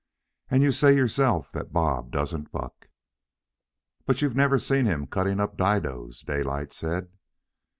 And you say yourself that Bob doesn't buck." "But you've never seen him cutting up didoes," Daylight said.